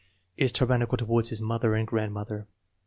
Is tyrannical toward his mother and grand mother.